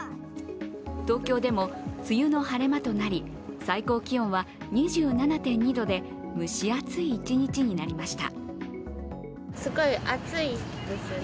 東京でも梅雨の晴れ間となり最高気温は２７．２度で蒸し暑い一日になりました。